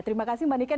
terima kasih mbak niken